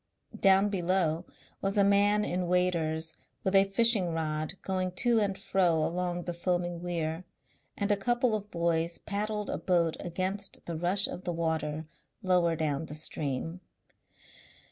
Down below was a man in waders with a fishing rod going to and fro along the foaming weir, and a couple of boys paddled a boat against the rush of the water lower down the stream.